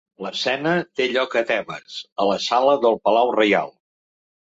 L'escena té lloc a Tebes, a la sala del palau reial.